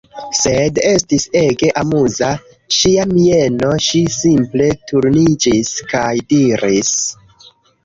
Sed, estis ege amuza, ŝia mieno, ŝi simple turniĝis kaj diris: